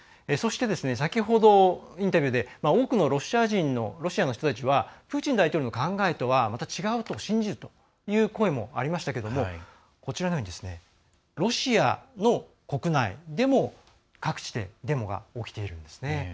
そして、先ほどインタビューで多くのロシアの人たちはプーチン大統領の考えとはまた違うと信じるという声もありましたけどもロシアの国内でも各地でデモが起きているんですね。